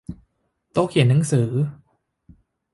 โต๊ะเขียนหนังสือ